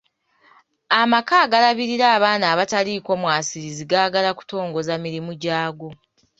Amaka agalabirira abaana abataliiko mwasirizi gaagala kutongoza mirimu gyago.